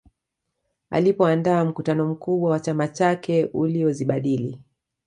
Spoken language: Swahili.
Alipoandaa mkutano mkubwa wa chama chake uliozibadili